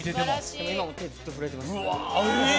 でも今もずっと手、震えてます。